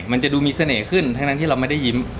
มันจะดูมีเสน่ห์ขึ้นทั้งนั้นที่เราไม่ได้ยิ้ม